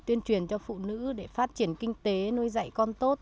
tuyên truyền cho phụ nữ để phát triển kinh tế nuôi dạy con tốt